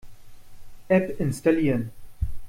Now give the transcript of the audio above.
App installieren.